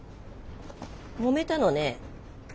もめたのね。